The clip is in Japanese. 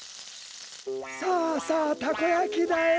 さあさあたこやきだよ。